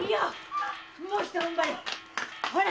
ほら！